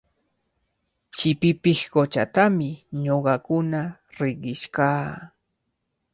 Chipipiq quchatami ñuqakuna riqish kaa.